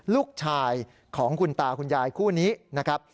ลูกชายของคุณตาคุณยายคู่นี้นะครับ